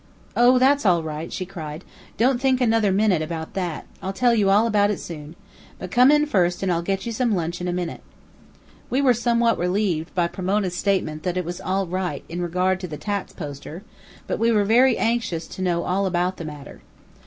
"Oh, that's all right," she cried. "Don't think another minute about that. I'll tell you all about it soon. But come in first, and I'll get you some lunch in a minute." We were somewhat relieved by Pomona's statement that it was "all right" in regard to the tax poster, but we were very anxious to know all about the matter.